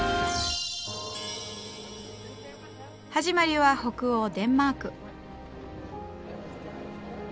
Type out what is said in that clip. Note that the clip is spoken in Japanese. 始まりは北欧デンマーク。